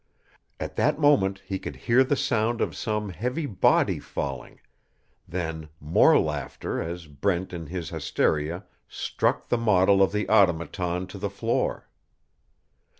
At that moment he could hear the sound of some heavy body falling; then more laughter as Brent in his hysteria struck the model of the automaton to the floor.